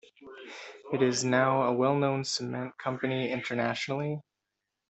It is now a well known cement company internationally.